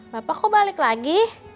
bapak kok balik lagi